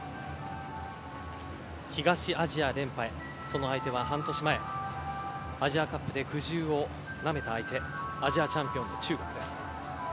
東アジア連覇へその相手は、半年前アジアカップで苦汁をなめた相手アジアチャンピオンの中国です。